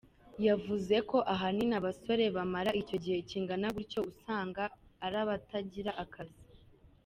Yavuze ko ahanini abasore bamara icyo gihe kingana gutyo usanga ari abatagira akazi.